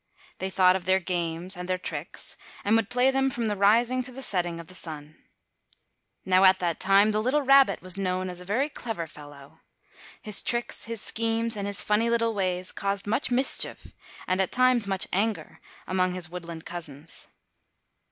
They thought of their games and their tricks, and would play them from the rising to the setting of the sun. Now, at that time, the little rabbit was known as a very clever fellow. His tricks, his schemes, and his funny little ways caused much mischief and at times much anger among his woodland cousins.